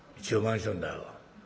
「一応マンションだよ」。